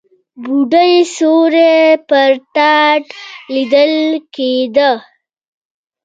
بوډۍ سيوری پر تاټ ليدل کېده.